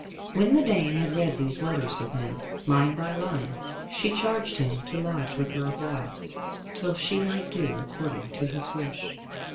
When the dame had read these letters with him, line by line, she charged him to lodge with her awhile, till she might do according to his wish.